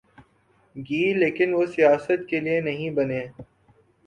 گی لیکن وہ سیاست کے لئے نہیں بنے۔